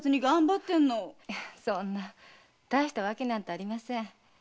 そんなたいした理由なんてありません。